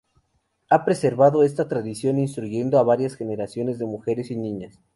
Ha preservado esta tradición instruyendo a varias generaciones de mujeres y niñas.